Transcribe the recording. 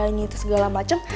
ini itu segala macem